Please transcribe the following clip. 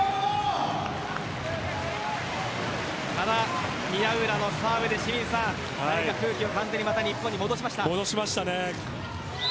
ただ、宮浦のサーブで空気を日本に戻しました。